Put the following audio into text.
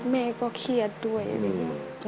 แม่ก็เครียดด้วยเลย